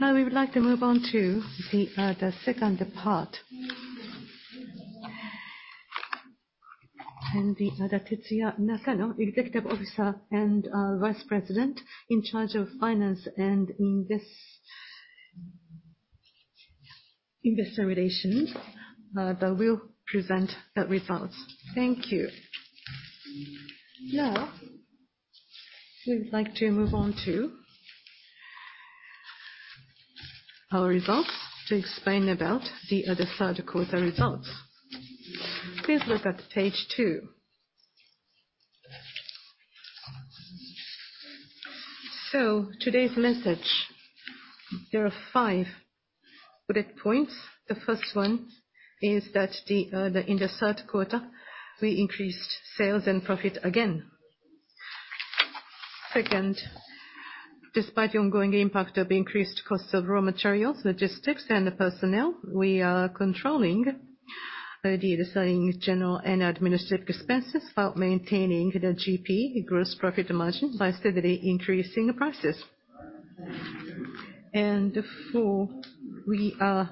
Now we would like to move on to the second part. The other Tetsuya Nakano, Executive Officer and Vice President in charge of Finance and Investor Relations, will present the results. Thank you. Now, we would like to move on to our results to explain about the other third quarter results. Please look at page two. So today's message, there are five bullet points. The first one is that in the third quarter, we increased sales and profit again. Second, despite the ongoing impact of increased costs of raw materials, logistics, and personnel, we are controlling the rising general and administrative expenses while maintaining the GP, gross profit margin, by steadily increasing prices. Four, we are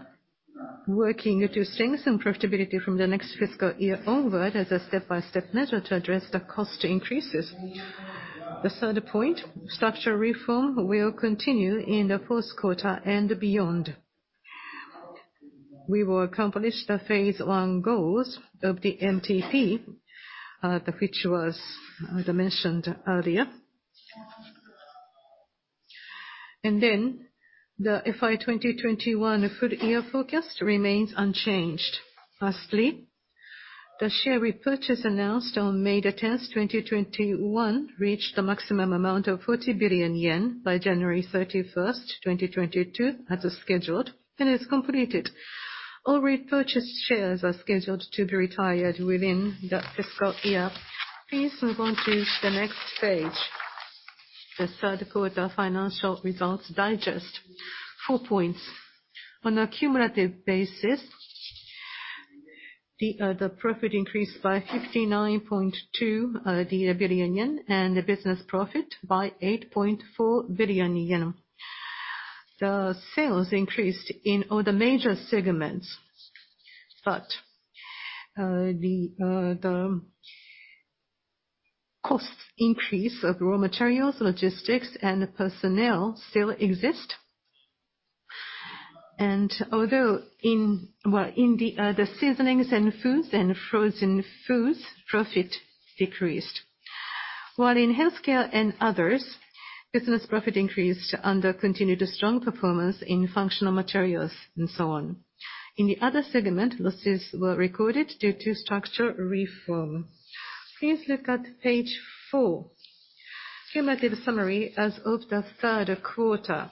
working to strengthen profitability from the next fiscal year onward as a step-by-step measure to address the cost increases. The third point, structural reform will continue in the fourth quarter and beyond. We will accomplish the phase one goals of the MTP, which was as I mentioned earlier. The FY 2021 full-year forecast remains unchanged. Lastly, the share repurchase announced on May 10, 2021, reached the maximum amount of 40 billion yen by January 31, 2022, as scheduled, and is completed. All repurchased shares are scheduled to be retired within that fiscal year. Please move on to the next page. The third quarter financial results digest. Four points. On a cumulative basis, the profit increased by 59.2 billion yen, and the business profit by 8.4 billion yen. The sales increased in all the major segments, but the cost increases of raw materials, logistics, and personnel still exist. Although in the Seasonings & Foods and frozen foods, profit decreased. While in healthcare and others, business profit increased under continued strong performance in Functional Materials and so on. In the Other segment, losses were recorded due to structural reform. Please look at page four. Cumulative summary as of the third quarter.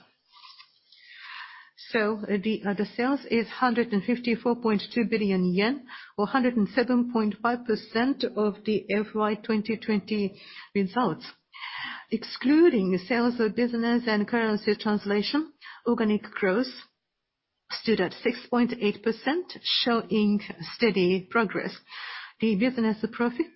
The sales is 154.2 billion yen or 107.5% of the FY 2020 results. Excluding sales of business and currency translation, organic growth stood at 6.8%, showing steady progress. The business profit,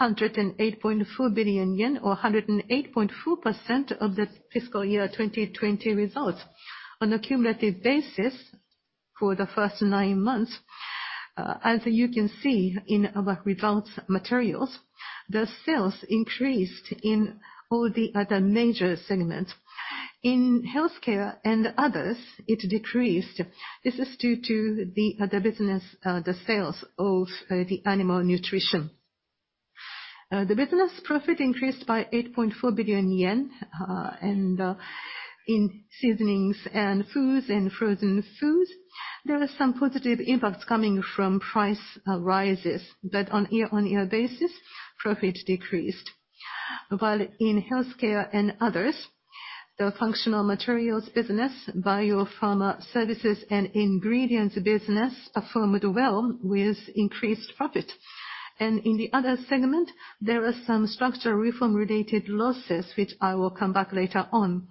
108.4 billion yen or 108.4% of the FY 2020 results. On a cumulative basis for the first nine months, as you can see in our results materials, the sales increased in all the other major segments. In Healthcare and Others, it decreased. This is due to the sales of the animal nutrition. The business profit increased by 8.4 billion yen, and in Seasonings and Foods and frozen foods, there were some positive impacts coming from price rises. On year-on-year basis, profit decreased. While in Healthcare and Others, the Functional Materials business, Bio-Pharma Services and ingredients business performed well with increased profit. In the other segment, there are some structural reform related losses, which I will come back later on.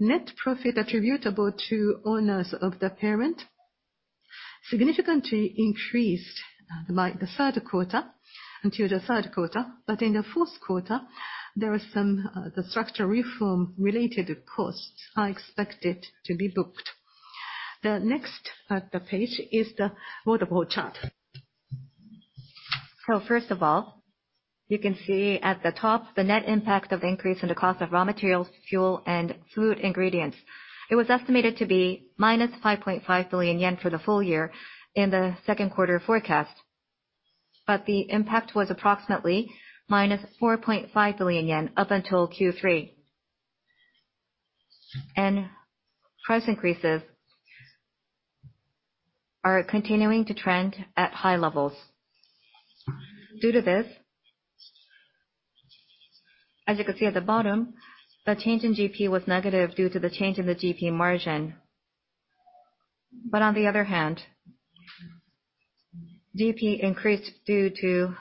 Net profit attributable to owners of the parent significantly increased until the third quarter. In the fourth quarter, there are some structural reform related costs expected to be booked. The next page is the waterfall chart. First of all, you can see at the top the net impact of increase in the cost of raw materials, fuel, and food ingredients. It was estimated to be -5.5 billion yen for the full year in the second quarter forecast, but the impact was approximately -4.5 billion yen up until Q3. Price increases are continuing to trend at high levels. Due to this, as you can see at the bottom, the change in GP was negative due to the change in the GP margin. On the other hand, GP increased due to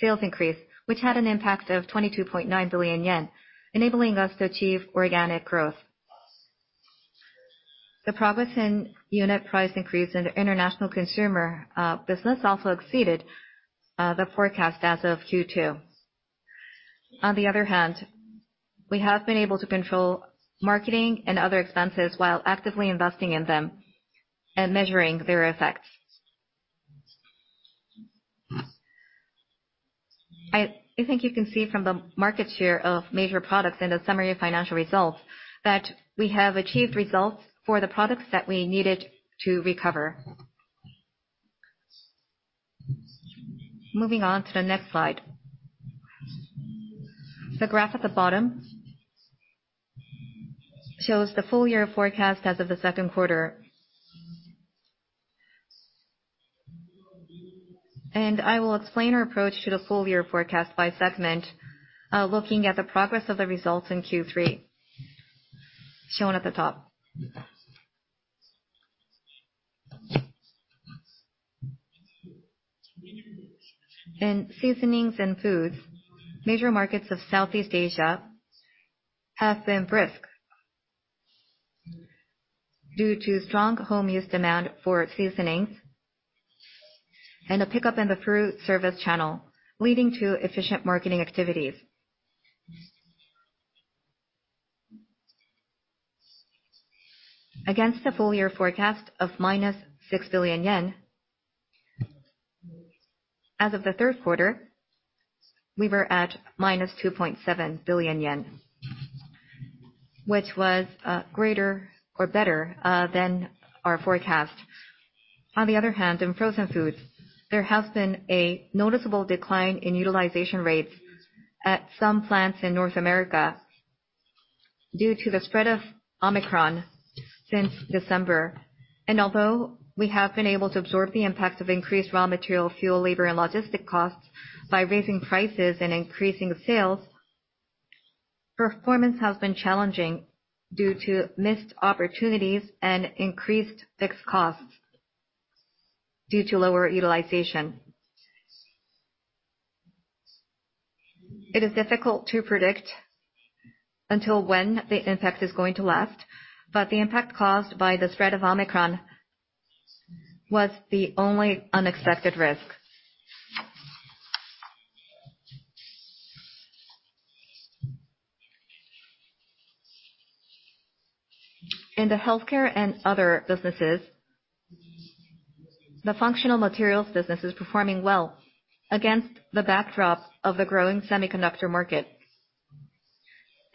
sales increase, which had an impact of 22.9 billion yen, enabling us to achieve organic growth. The progress in unit price increase in the international consumer business also exceeded the forecast as of Q2. On the other hand, we have been able to control marketing and other expenses while actively investing in them and measuring their effects. I think you can see from the market share of major products in the summary of financial results that we have achieved results for the products that we needed to recover. Moving on to the next slide. The graph at the bottom shows the full year forecast as of the second quarter. I will explain our approach to the full year forecast by segment, looking at the progress of the results in Q3, shown at the top. In Seasonings and Foods, major markets of Southeast Asia have been brisk due to strong home use demand for seasonings and a pickup in the food service channel, leading to efficient marketing activities. Against the full year forecast of -6 billion yen, as of the third quarter, we were at -2.7 billion yen, which was greater or better than our forecast. On the other hand, in frozen foods, there has been a noticeable decline in utilization rates at some plants in North America due to the spread of Omicron since December. Although we have been able to absorb the impacts of increased raw material, fuel, labor, and logistics costs by raising prices and increasing sales, performance has been challenging due to missed opportunities and increased fixed costs due to lower utilization. It is difficult to predict until when the impact is going to last, but the impact caused by the spread of Omicron was the only unexpected risk. In the healthcare and other businesses, the Functional Materials business is performing well against the backdrop of the growing semiconductor market.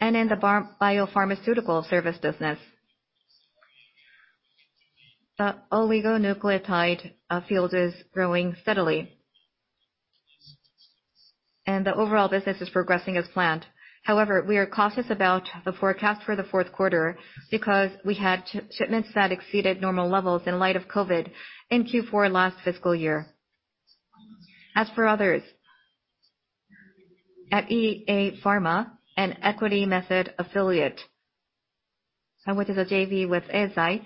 In the biopharmaceutical service business, the oligonucleotide field is growing steadily, and the overall business is progressing as planned. However, we are cautious about the forecast for the fourth quarter because we had shipments that exceeded normal levels in light of COVID in Q4 last fiscal year. As for others, at EA Pharma, an equity method affiliate, and which is a JV with Eisai,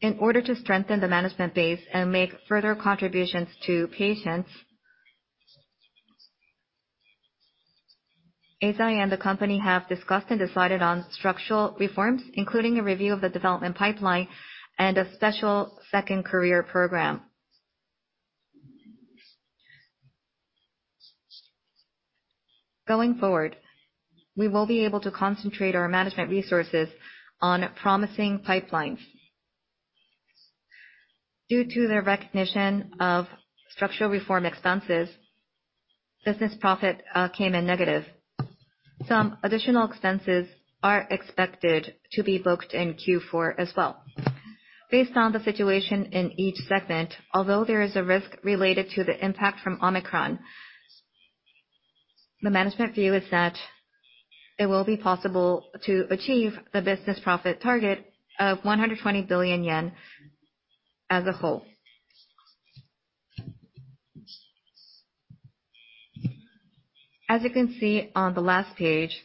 in order to strengthen the management base and make further contributions to patients, Eisai and the company have discussed and decided on structural reforms, including a review of the development pipeline and a special second career program. Going forward, we will be able to concentrate our management resources on promising pipelines. Due to the recognition of structural reform expenses, Business Profit came in negative. Some additional expenses are expected to be booked in Q4 as well. Based on the situation in each segment, although there is a risk related to the impact from Omicron, the management view is that it will be possible to achieve the Business Profit target of 120 billion yen as a whole. As you can see on the last page.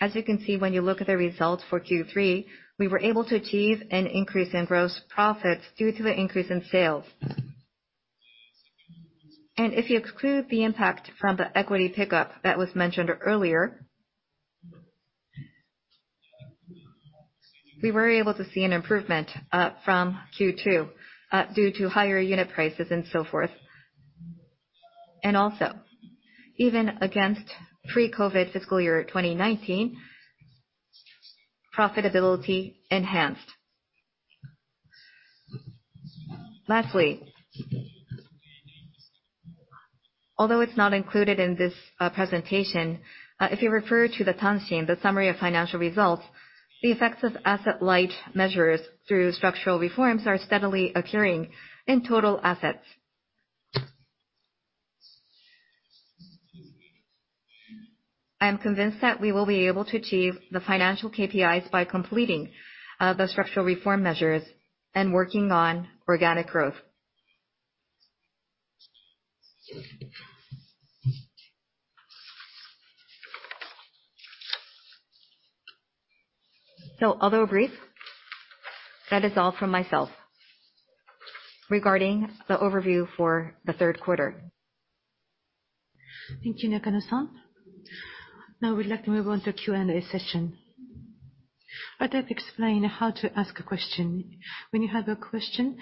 As you can see when you look at the results for Q3, we were able to achieve an increase in gross profits due to the increase in sales. If you exclude the impact from the equity pickup that was mentioned earlier, we were able to see an improvement from Q2 due to higher unit prices and so forth. Even against pre-COVID fiscal year 2019, profitability enhanced. Lastly, although it's not included in this presentation, if you refer to the Tanshin, the summary of financial results, the effects of asset light measures through structural reforms are steadily occurring in total assets. I am convinced that we will be able to achieve the financial KPIs by completing the structural reform measures and working on organic growth. Although brief, that is all from myself regarding the overview for the third quarter. Thank you, Nakano-san. Now we'd like to move on to Q&A session. I'd like to explain how to ask a question. When you have a question,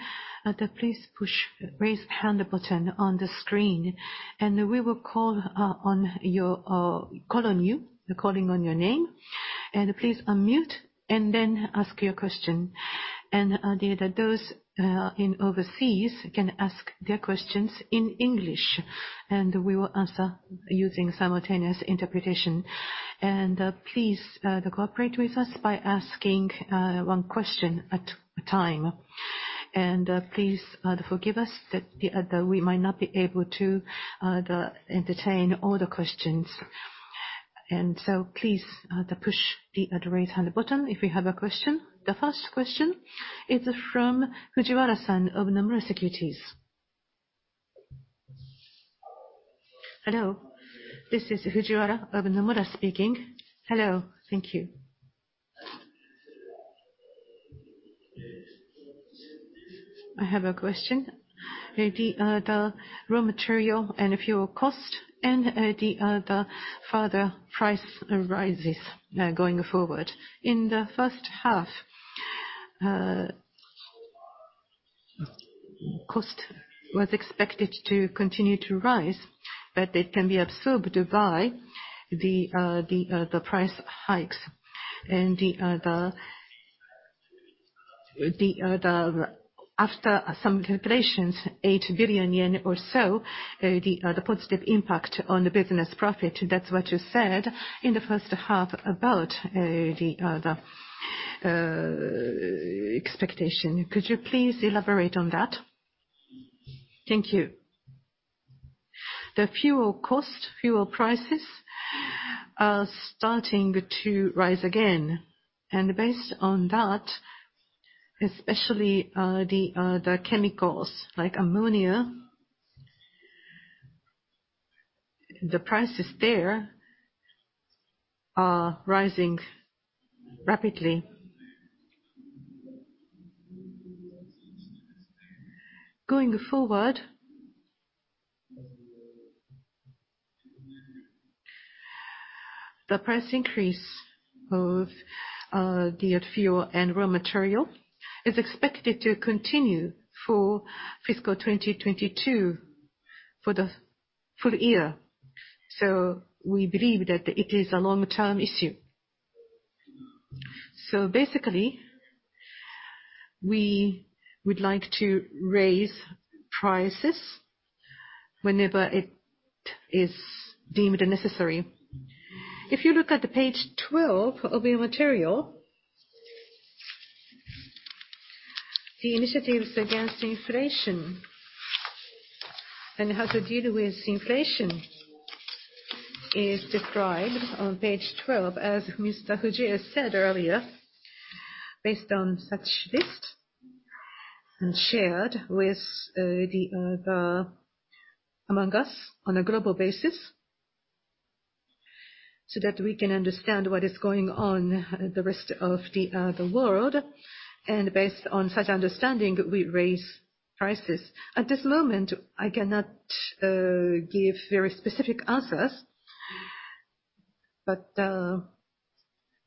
please push Raise Hand button on the screen, and we will call on you, calling on your name. Please unmute, and then ask your question. Those overseas can ask their questions in English, and we will answer using simultaneous interpretation. Please cooperate with us by asking one question at a time. Please forgive us that we might not be able to entertain all the questions. Please push the Raise Hand button if you have a question. The first question is from Fujiwara-san of Nomura Securities. Hello, this is Fujiwara of Nomura speaking. Hello. Thank you. I have a question. The raw material and fuel cost and the further price rises going forward. In the first half, cost was expected to continue to rise, but it can be absorbed by the price hikes. After some calculations, 8 billion yen or so, the positive impact on the business profit, that's what you said in the first half about the expectation. Could you please elaborate on that? Thank you. The fuel cost, fuel prices are starting to rise again. Based on that, especially the chemicals like ammonia, the prices there are rising rapidly. Going forward, the price increase of the fuel and raw material is expected to continue for fiscal 2022 for the full year. We believe that it is a long-term issue. Basically, we would like to raise prices whenever it is deemed necessary. If you look at page 12 of your material, the initiatives against inflation and how to deal with inflation are described on page 12, as Mr. Fujii said earlier, based on such list and shared among us on a global basis, so that we can understand what is going on in the rest of the world. Based on such understanding, we raise prices. At this moment, I cannot give very specific answers, but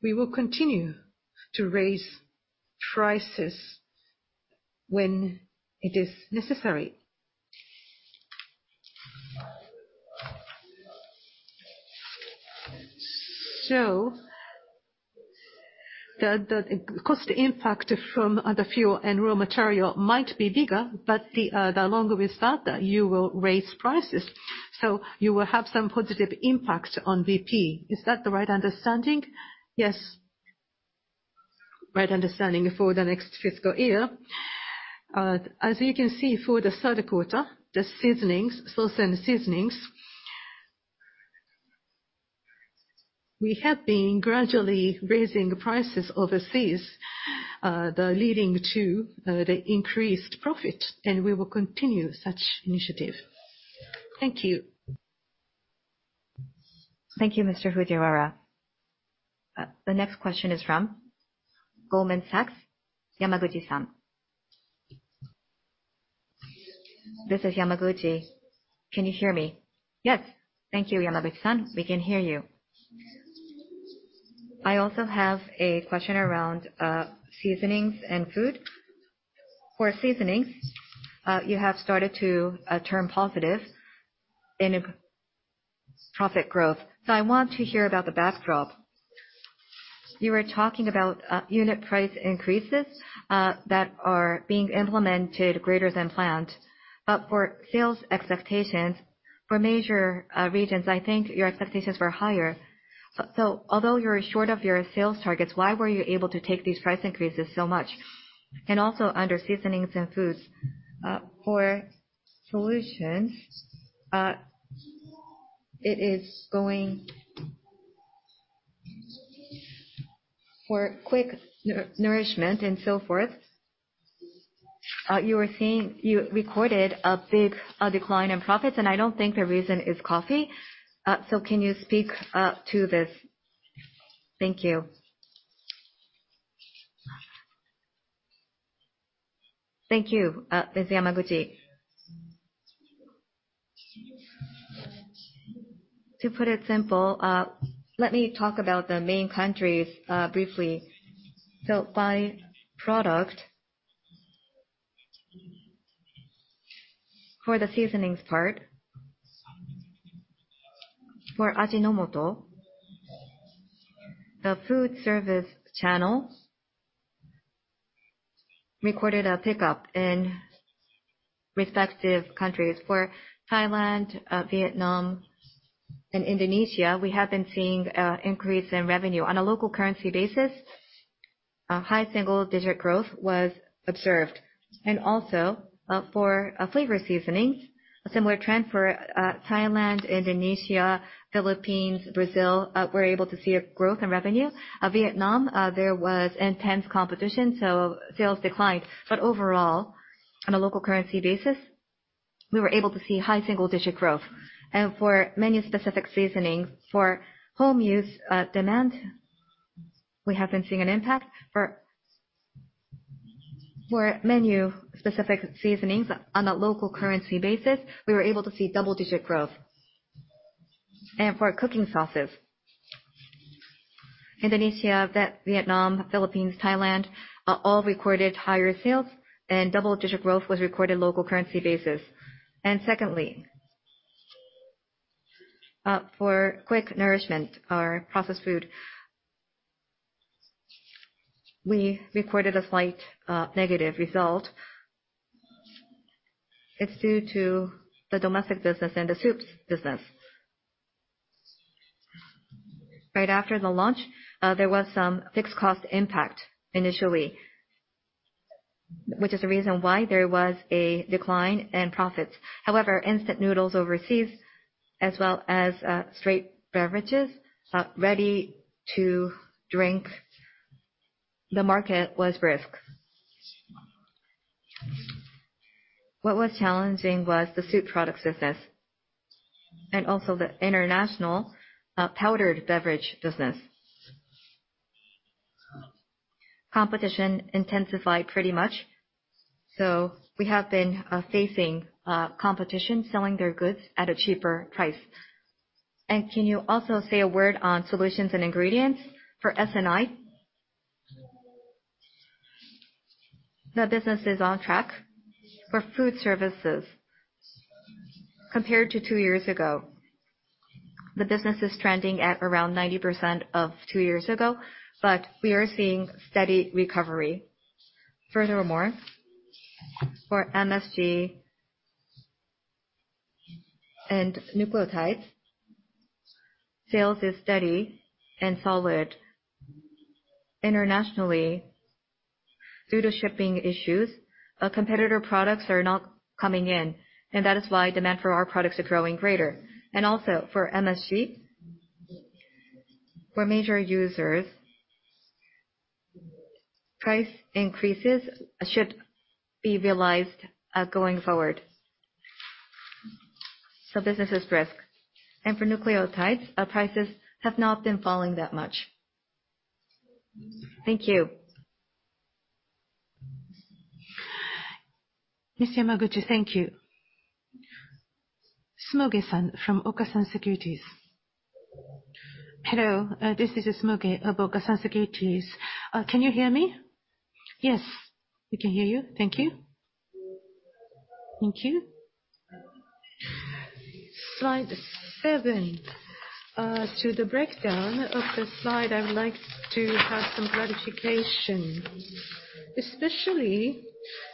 we will continue to raise prices when it is necessary. The cost impact from the fuel and raw material might be bigger, but the sooner we start, you will raise prices, so you will have some positive impact on BP. Is that the right understanding? Yes. Right understanding for the next fiscal year. As you can see for the third quarter, the Seasonings & Foods, we have been gradually raising prices overseas, leading to the increased profit, and we will continue such initiative. Thank you. Thank you, Mr. Fujiwara. The next question is from Goldman Sachs, Yamaguchi-san. This is Yamaguchi. Can you hear me? Yes. Thank you, Yamaguchi-san. We can hear you. I also have a question around seasonings and food. For seasonings, you have started to turn positive in profit growth. I want to hear about the backdrop. You were talking about unit price increases that are being implemented greater than planned. For sales expectations for major regions, I think your expectations were higher. Although you're short of your sales targets, why were you able to take these price increases so much? Also under Seasonings & Foods, for solutions, it is going for Quick Nourishment and so forth. You recorded a big decline in profits, and I don't think the reason is coffee. Can you speak to this? Thank you. Thank you, Ms. Yamaguchi. To put it simply, let me talk about the main countries briefly. By product, for the seasonings part, for Ajinomoto, the food service channel recorded a pickup in respective countries. For Thailand, Vietnam, and Indonesia, we have been seeing an increase in revenue. On a local currency basis, a high single digit growth was observed. Also, for flavor seasonings, a similar trend for Thailand, Indonesia, Philippines, Brazil, we're able to see a growth in revenue. Vietnam, there was intense competition, so sales declined. Overall, on a local currency basis, we were able to see high single digit growth. For menu-specific seasoning, for home use demand, we have been seeing an impact. For menu-specific seasonings on a local currency basis, we were able to see double-digit growth. For cooking sauces, Indonesia, Vietnam, Philippines, Thailand, all recorded higher sales, and double-digit growth was recorded on a local currency basis. Secondly, for Quick Nourishment or processed food, we recorded a slight negative result. It's due to the domestic business and the soups business. Right after the launch, there was some fixed cost impact initially, which is the reason why there was a decline in profits. However, instant noodles overseas as well as straight beverages, ready to drink, the market was brisk. What was challenging was the soup product business and also the international powdered beverage business. Competition intensified pretty much, so we have been facing competition selling their goods at a cheaper price. Can you also say a word on solutions and ingredients for S&I? The business is on track. For food services, compared to two years ago, the business is trending at around 90% of two years ago, but we are seeing steady recovery. Furthermore, for MSG and nucleotides, sales is steady and solid. Internationally, due to shipping issues, our competitor products are not coming in, and that is why demand for our products are growing greater. Also, for MSG, for major users, price increases should be realized going forward. Business is brisk. For nucleotides, our prices have not been falling that much. Thank you. Miss Yamaguchi, thank you. Sumoge-san from Okasan Securities. Hello, this is Manabu Sumoge of Okasan Securities. Can you hear me? Yes, we can hear you. Thank you. Thank you. Slide seven. To the breakdown of the slide, I would like to have some clarification. Especially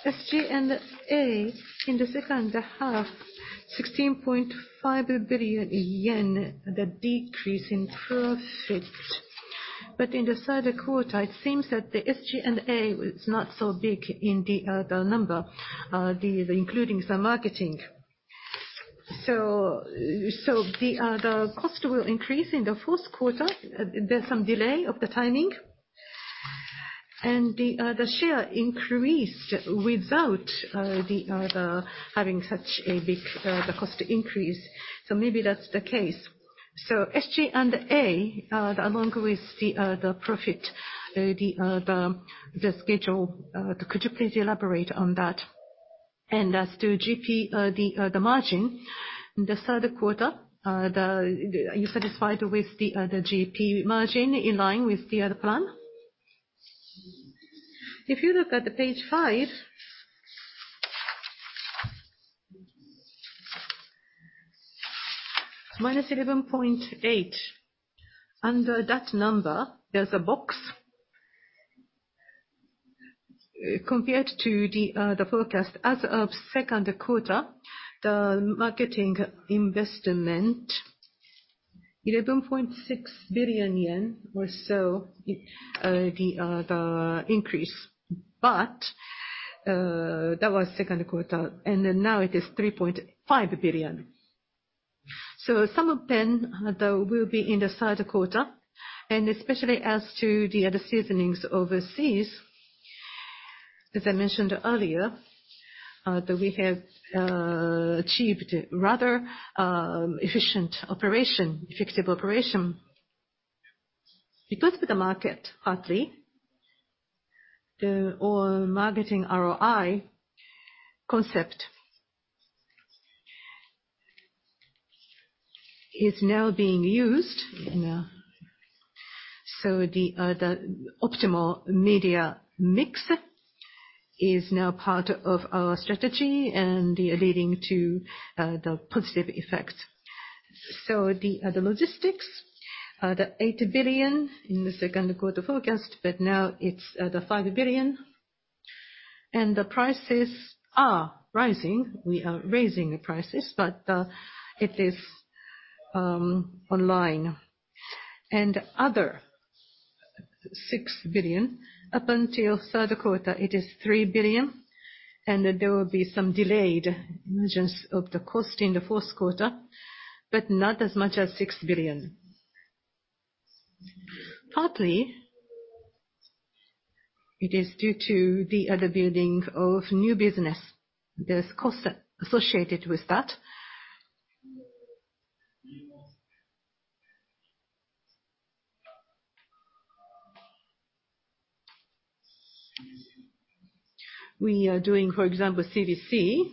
SG&A in the second half, 16.5 billion yen, the decrease in profit. In the third quarter, it seems that the SG&A was not so big in the number, including some marketing. The cost will increase in the fourth quarter. There's some delay of the timing. The share increased without having such a big cost increase. Maybe that's the case. SG&A along with the profit, the schedule, could you please elaborate on that? As to GP, the margin, in the third quarter, the... Are you satisfied with the GP margin in line with the plan? If you look at page 5, -11.8%, under that number, there's a box. Compared to the forecast as of second quarter, the marketing investment, 11.6 billion yen or so, the increase. That was second quarter, and then now it is 3.5 billion. Some of them will be in the third quarter. Especially as to the other seasonings overseas, as I mentioned earlier, that we have achieved rather efficient operation, effective operation. It goes with the market partly. The marketing ROI concept is now being used, you know. The optimal media mix is now part of our strategy, and they are leading to the positive effects. The logistics, the 8 billion in the second quarter forecast, but now it's the 5 billion. The prices are rising. We are raising the prices, but it is online. Other 6 billion, up until third quarter it is 3 billion, and there will be some delayed emergence of the cost in the fourth quarter, but not as much as 6 billion. Partly, it is due to the building of new business. There's costs associated with that. We are doing, for example, CVC.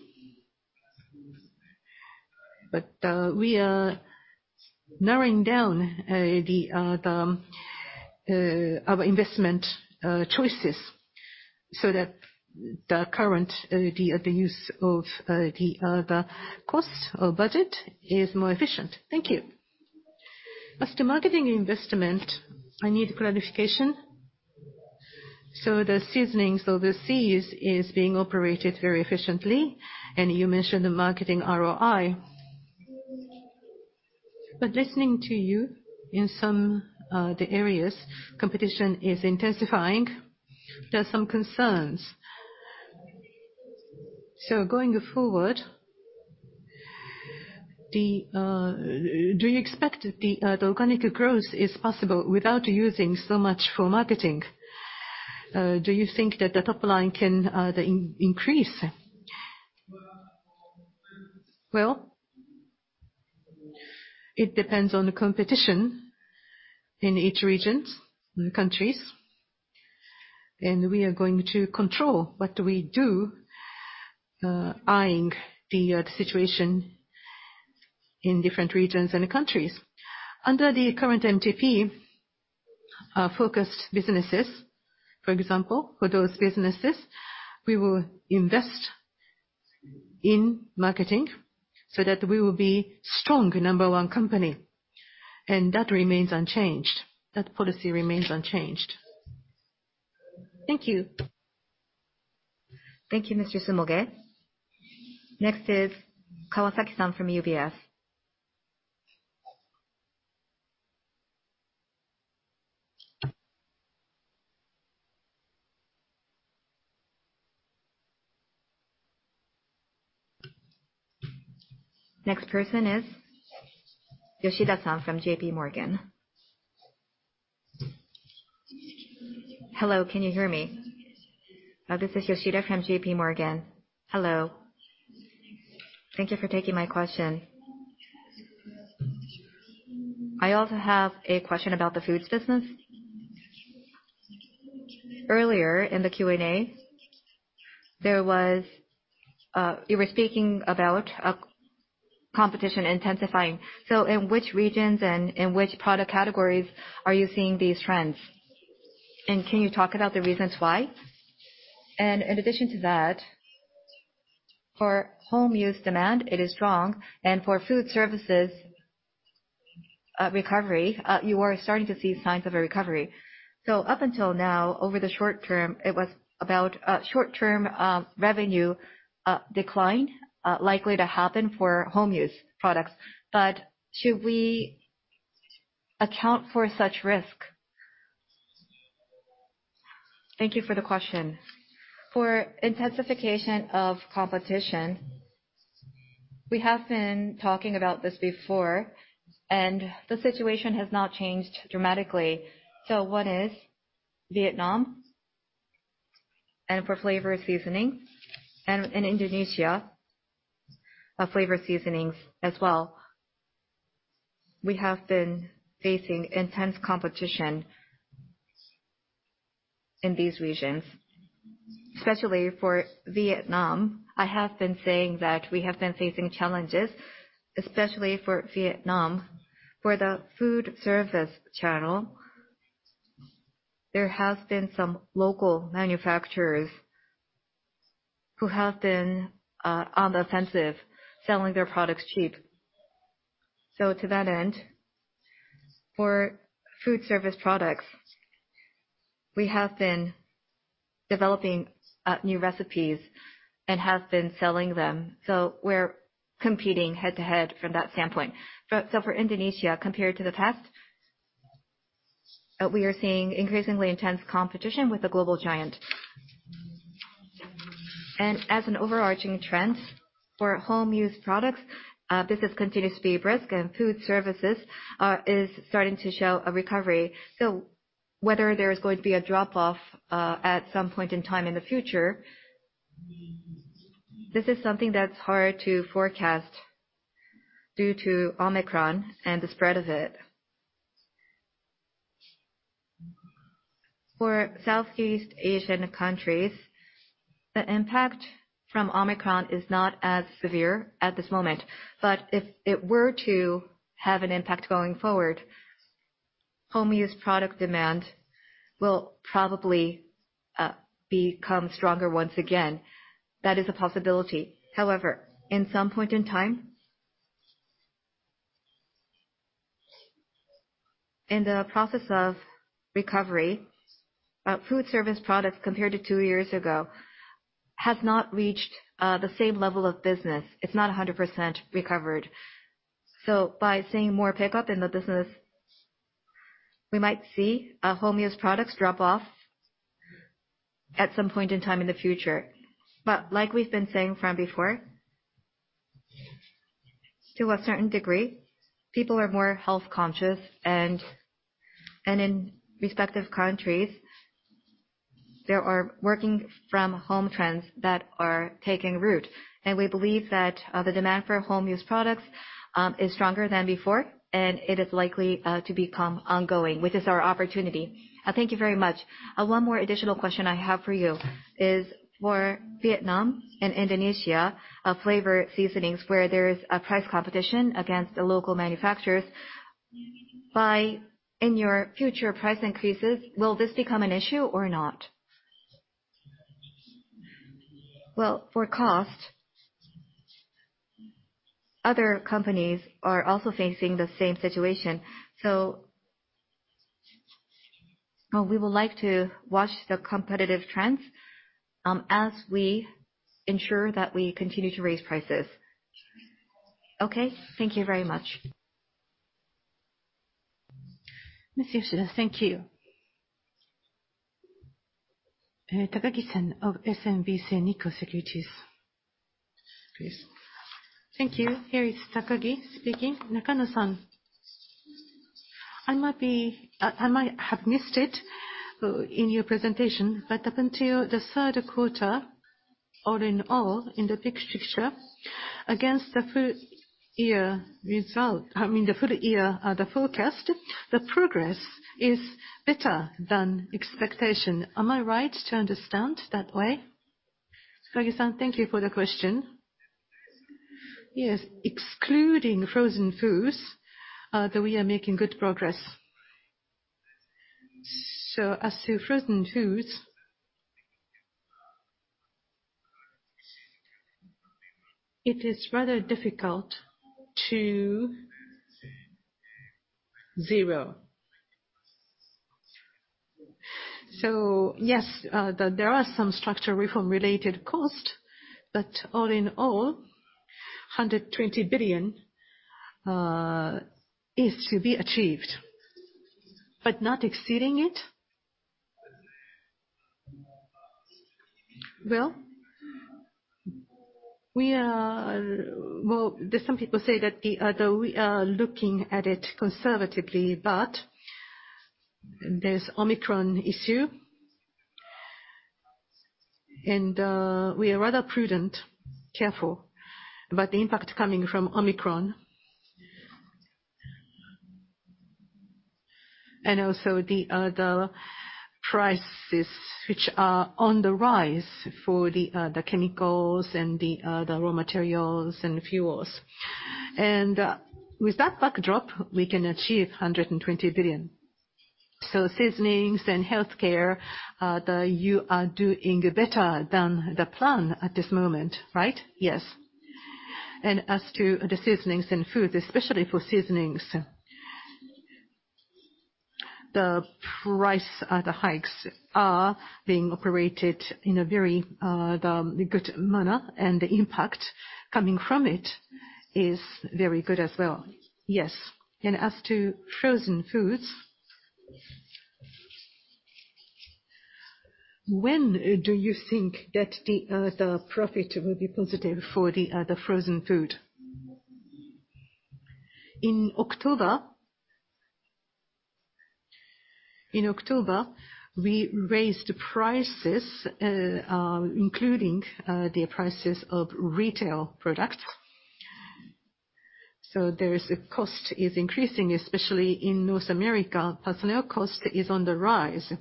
We are narrowing down the our investment choices so that the current the use of the cost or budget is more efficient. Thank you. As to marketing investment, I need clarification. The seasonings or the S&F is being operated very efficiently, and you mentioned the marketing ROI. Listening to you, in some, the areas, competition is intensifying. There are some concerns. Going forward, do you expect the organic growth is possible without using so much for marketing? Do you think that the top line can increase? Well, it depends on the competition in each region, in the countries. We are going to control what we do, eyeing the situation in different regions and countries. Under the current MTP, focused businesses, for example, for those businesses, we will invest in marketing so that we will be strong number one company. That remains unchanged. That policy remains unchanged. Thank you. Thank you, Mr. Sumoge. Next is Kawasaki-san from UBS. Next person is Yoshida-san from JP Morgan. Hello, can you hear me? This is Yoshida from JP Morgan. Hello. Thank you for taking my question. I also have a question about the foods business. Earlier in the Q&A, there was you were speaking about a competition intensifying. In which regions and in which product categories are you seeing these trends? Can you talk about the reasons why? In addition to that, for home use demand, it is strong. For food services, recovery, you are starting to see signs of a recovery. Up until now, over the short term, it was about a short-term revenue decline likely to happen for home use products. Should we account for such risk? Thank you for the question. For intensification of competition, we have been talking about this before, and the situation has not changed dramatically. One is Vietnam, and for flavor seasoning, and in Indonesia, flavor seasonings as well. We have been facing intense competition in these regions, especially for Vietnam. I have been saying that we have been facing challenges, especially for Vietnam. For the food service channel, there have been some local manufacturers who have been on the offensive, selling their products cheap. To that end, for food service products, we have been developing new recipes and have been selling them. We're competing head-to-head from that standpoint. For Indonesia, compared to the past, we are seeing increasingly intense competition with the global giant. As an overarching trend for home use products, business continues to be brisk and food services is starting to show a recovery. Whether there is going to be a drop-off at some point in time in the future. This is something that's hard to forecast due to Omicron and the spread of it. For Southeast Asian countries, the impact from Omicron is not as severe at this moment, but if it were to have an impact going forward, home use product demand will probably become stronger once again. That is a possibility. However, in some point in time, in the process of recovery, food service products, compared to two years ago, has not reached the same level of business. It's not 100% recovered. So by seeing more pickup in the business, we might see home use products drop off at some point in time in the future. But like we've been saying from before, to a certain degree, people are more health-conscious and in respective countries, there are working from home trends that are taking root. We believe that the demand for home use products is stronger than before, and it is likely to become ongoing, which is our opportunity. Thank you very much. One more additional question I have for you is for Vietnam and Indonesia flavor seasonings where there's a price competition against the local manufacturers. In your future price increases, will this become an issue or not? Well, for cost, other companies are also facing the same situation, so, well, we would like to watch the competitive trends as we ensure that we continue to raise prices. Okay. Thank you very much. Miss Yoshida, thank you. Takagi-san of SMBC Nikko Securities, please. Thank you. Here is Takagi speaking. Nakano-san, I might have missed it in your presentation, but up until the third quarter, all in all, in the big picture, against the full year result. I mean, the full year, the forecast, the progress is better than expectation. Am I right to understand that way? Takagi-san, thank you for the question. Yes, excluding frozen foods, though we are making good progress. So as to frozen foods, it is rather difficult to zero. So yes, there are some structural reform related cost, but all in all, 120 billion is to be achieved. But not exceeding it? Well, we are. Well, there's some people say that the, though we are looking at it conservatively, but there's Omicron issue. We are rather prudent, careful about the impact coming from Omicron. Also the prices which are on the rise for the chemicals and the raw materials and fuels. With that backdrop, we can achieve 120 billion. Seasonings and healthcare, you are doing better than the plan at this moment, right? Yes. As to the seasonings and foods, especially for seasonings, the price hikes are being operated in a very good manner and the impact coming from it is very good as well. Yes. As to frozen foods, when do you think that the profit will be positive for the frozen food? In October, we raised prices, including the prices of retail products. There is a cost is increasing, especially in North America. Personnel cost is on the rise.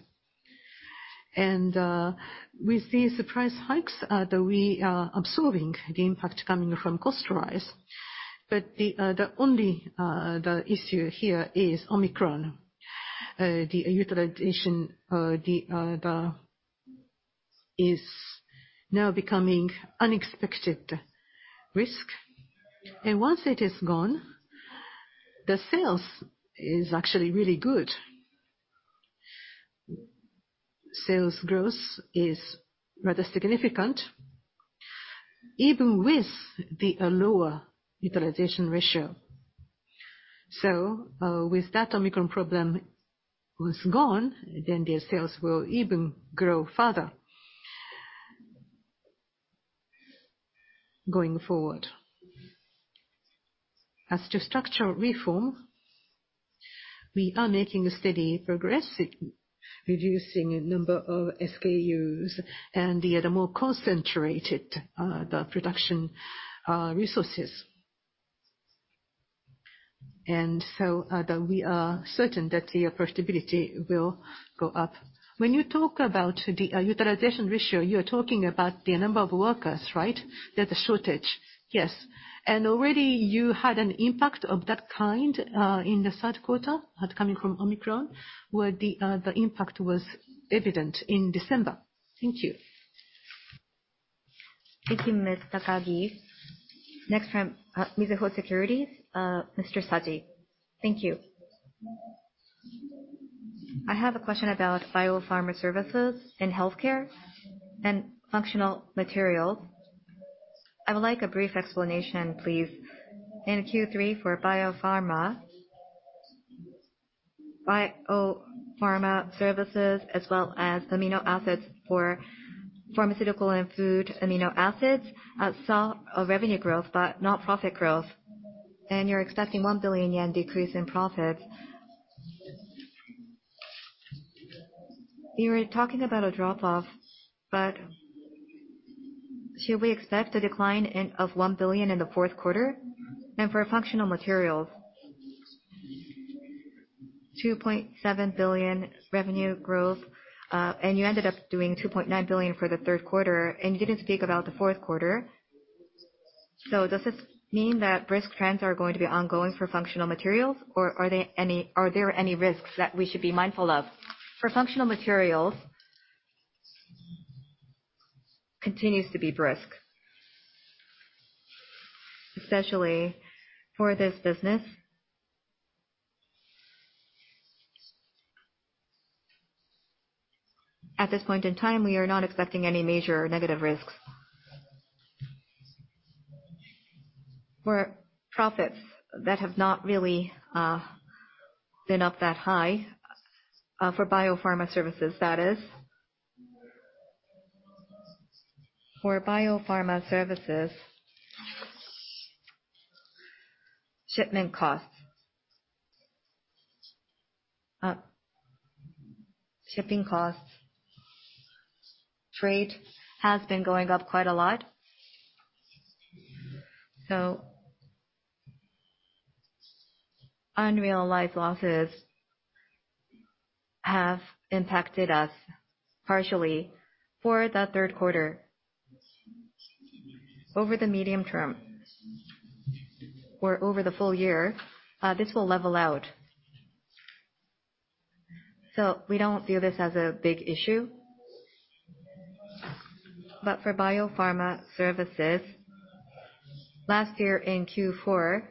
With these price hikes, though we are absorbing the impact coming from cost rise, but the only issue here is Omicron. The utilization is now becoming unexpected risk. Once it is gone, the sales is actually really good. Sales growth is rather significant, even with the lower utilization ratio. With that Omicron problem was gone, then the sales will even grow further going forward. As to structure reform, we are making steady progress in reducing a number of SKUs and get a more concentrated, the production, resources. We are certain that the profitability will go up. When you talk about the utilization ratio, you are talking about the number of workers, right? There's a shortage. Yes. Already you had an impact of that kind in the third quarter coming from Omicron, where the impact was evident in December. Thank you. Thank you, Ms. Takagi. Next from, Mizuho Securities, Mr. Saji. Thank you. I have a question about Bio-Pharma Services in healthcare and Functional Materials. I would like a brief explanation, please. In Q3 for biopharma, Bio-Pharma Services as well as amino acids for pharmaceutical and food amino acids saw a revenue growth but not profit growth. You're expecting 1 billion yen decrease in profits. You were talking about a drop-off, but should we expect a decline of 1 billion in the fourth quarter? For Functional Materials, 2.7 billion revenue growth, and you ended up doing 2.9 billion for the third quarter, and you didn't speak about the fourth quarter. Does this mean that risk trends are going to be ongoing for Functional Materials? Or are there any risks that we should be mindful of? For Functional Materials, continues to be brisk, especially for this business. At this point in time, we are not expecting any major negative risks. For profits that have not really been up that high for Bio-Pharma Services, that is. For Bio-Pharma Services, shipping costs. Freight has been going up quite a lot. Unrealized losses have impacted us partially for the third quarter. Over the medium term or over the full year, this will level out. We don't view this as a big issue. For Bio-Pharma Services, last year in Q4,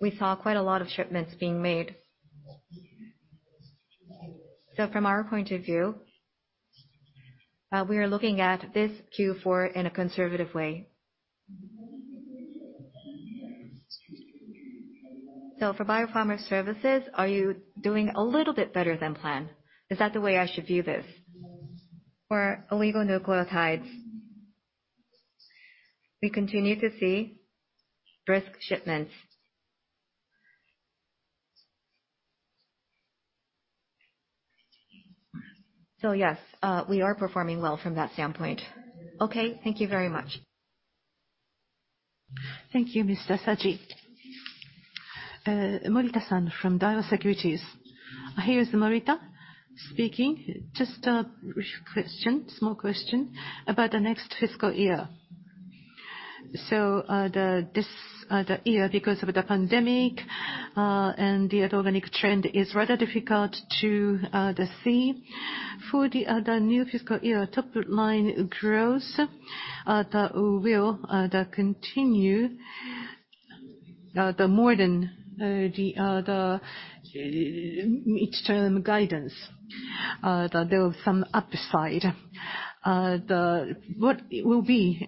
we saw quite a lot of shipments being made. From our point of view, we are looking at this Q4 in a conservative way. For Bio-Pharma Services, are you doing a little bit better than planned? Is that the way I should view this? For oligonucleotides, we continue to see brisk shipments. Yes, we are performing well from that standpoint. Okay, thank you very much. Thank you, Mr. Saji. Morita-san from Daiwa Securities. Here's Morita speaking. Just a quick question, small question about the next fiscal year. This year because of the pandemic and the organic trend is rather difficult to see. For the new fiscal year top-line growth, will it continue more than the mid-term guidance that there was some upside. What will be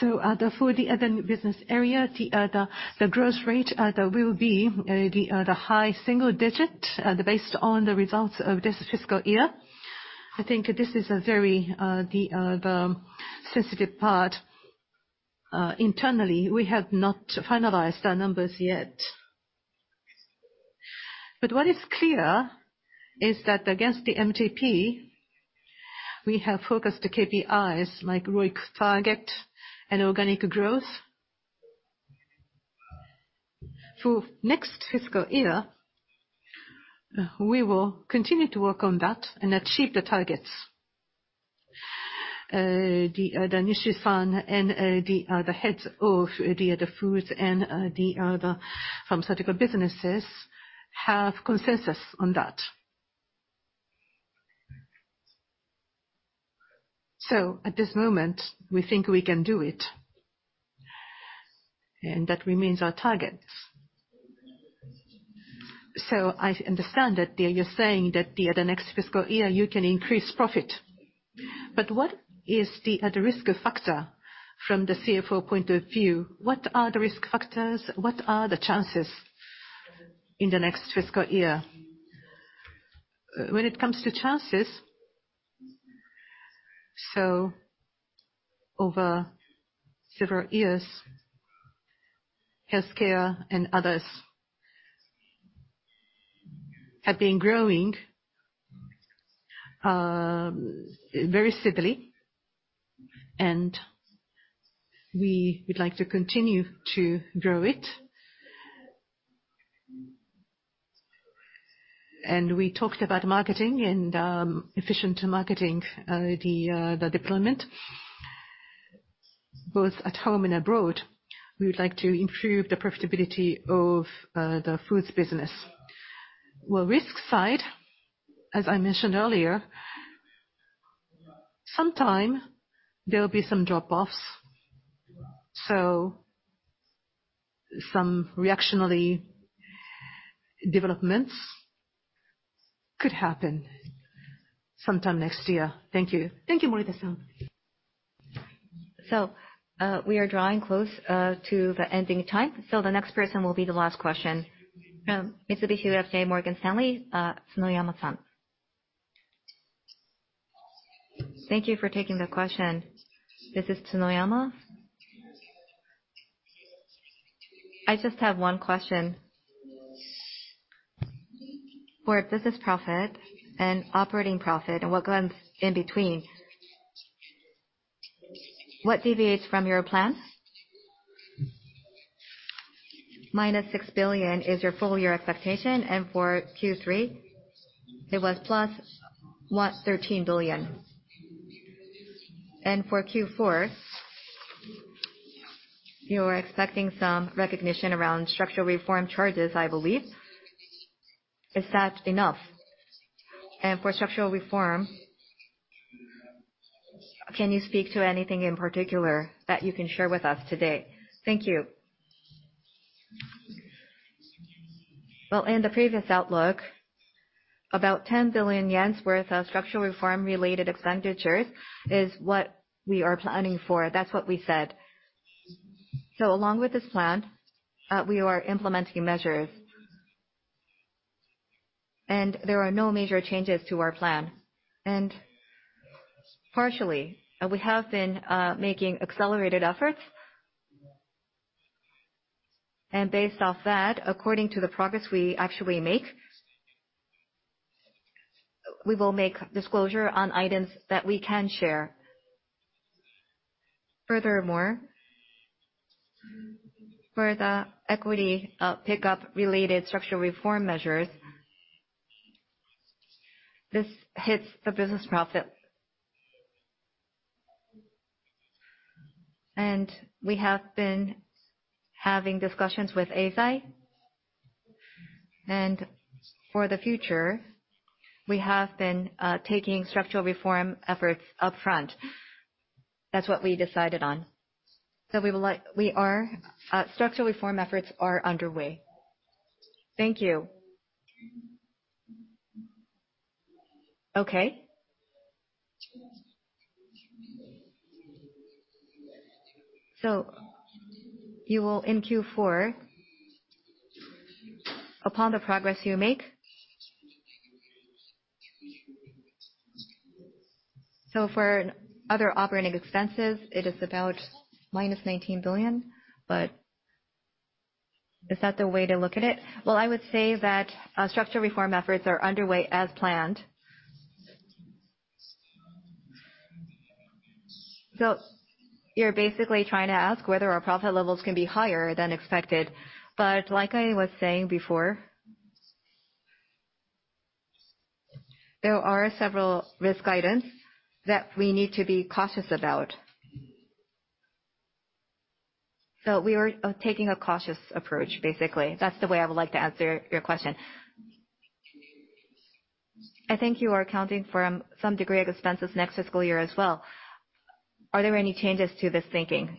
for the other new business area, the growth rate will be the high single digit based on the results of this fiscal year. I think this is a very sensitive part. Internally, we have not finalized our numbers yet. What is clear is that against the MTP, we have focused the KPIs like ROIC target and organic growth. For next fiscal year, we will continue to work on that and achieve the targets. The Nishii-san and the heads of the foods and the pharmaceutical businesses have consensus on that. At this moment, we think we can do it, and that remains our targets. I understand that you're saying that the next fiscal year you can increase profit. What is the risk factor from the CFO point of view? What are the risk factors? What are the chances in the next fiscal year? When it comes to challenges, over several years, healthcare and others have been growing very steadily, and we would like to continue to grow it. We talked about marketing and efficient marketing, the deployment both at home and abroad. We would like to improve the profitability of the foods business. Well, risk side, as I mentioned earlier, sometime there will be some drop-offs. Recessionary developments could happen sometime next year. Thank you. Thank you, Morita-san. We are drawing close to the ending time, the next person will be the last question. From Mitsubishi UFJ Morgan Stanley, Tsunoyama-san. Thank you for taking the question. This is Tsunoyama. I just have one question. For business profit and operating profit, and what goes in between, what deviates from your plan? -6 billion is your full year expectation. For Q3, it was plus, what, 13 billion. For Q4, you're expecting some recognition around structural reform charges, I believe. Is that enough? For structural reform, can you speak to anything in particular that you can share with us today? Thank you. Well, in the previous outlook, about 10 billion worth of structural reform related expenditures is what we are planning for. That's what we said. Along with this plan, we are implementing measures. There are no major changes to our plan. Partially, we have been making accelerated efforts. Based off that, according to the progress we actually make, we will make disclosure on items that we can share. Furthermore, for the equity pickup related structural reform measures, this hits the business profit. We have been having discussions with Eisai. For the future, we have been taking structural reform efforts upfront. That's what we decided on. Structural reform efforts are underway. Thank you. Okay. You will in Q4, upon the progress you make. For other operating expenses, it is about -19 billion. Is that the way to look at it? Well, I would say that structural reform efforts are underway as planned. You're basically trying to ask whether our profit levels can be higher than expected. Like I was saying before, there are several risk guidance that we need to be cautious about. We are taking a cautious approach, basically. That's the way I would like to answer your question. I think you are accounting for some degree of expenses next fiscal year as well. Are there any changes to this thinking?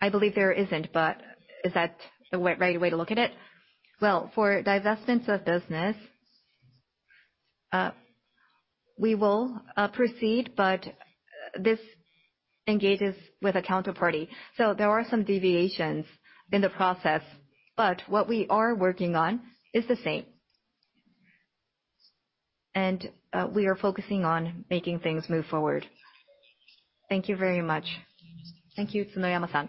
I believe there isn't, but is that the right way to look at it? Well, for divestments of business, we will proceed, but this engages with a counterparty. There are some deviations in the process. What we are working on is the same. We are focusing on making things move forward. Thank you very much. Thank you, Tsunoyama-san.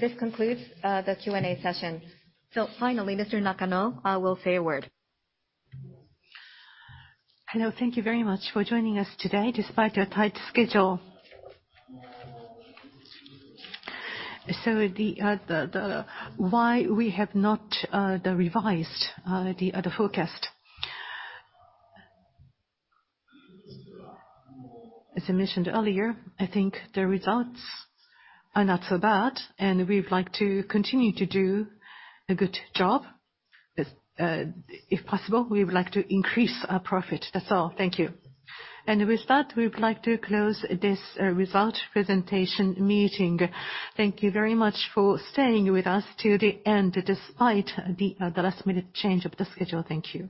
This concludes the Q&A session. Finally, Mr. Nakano will say a word. Hello. Thank you very much for joining us today, despite your tight schedule. Why we have not revised the forecast. As I mentioned earlier, I think the results are not so bad, and we'd like to continue to do a good job. If possible, we would like to increase our profit. That's all. Thank you. With that, we would like to close this results presentation meeting. Thank you very much for staying with us to the end, despite the last-minute change of the schedule. Thank you.